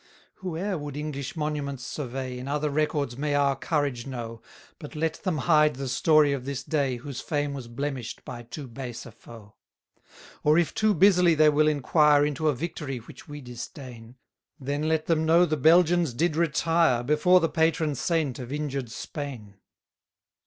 196 Whoe'er would English monuments survey, In other records may our courage know: But let them hide the story of this day, Whose fame was blemish'd by too base a foe. 197 Or if too busily they will inquire Into a victory which we disdain; Then let them know the Belgians did retire Before the patron saint of injured Spain.